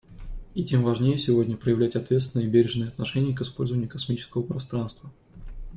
И тем важнее сегодня проявлять ответственное и бережное отношение к использованию космического пространства.